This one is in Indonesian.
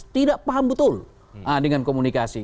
tidak paham betul dengan komunikasi